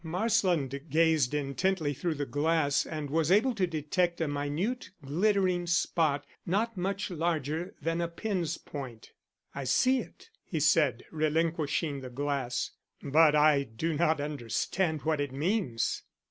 Marsland gazed intently through the glass, and was able to detect a minute glittering spot not much larger than a pin's point. "I see it," he said, relinquishing the glass. "But I do not understand what it means."